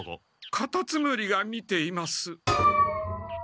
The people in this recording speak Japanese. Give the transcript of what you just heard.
カタツムリが見ています。